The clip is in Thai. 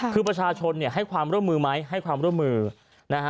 คือประชาชนเนี่ยให้ความร่วมมือไหมให้ความร่วมมือนะฮะ